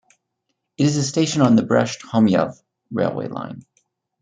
It is a station on the Brest - Homiel railway line.